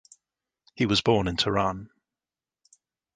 He was born in Tehran.